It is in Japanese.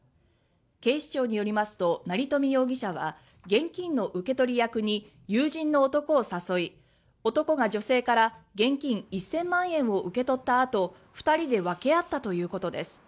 警視庁によりますと成富容疑者は現金の受け取り役に友人の男を誘い男が女性から現金１０００万円を受け取ったあと２人で分け合ったということです。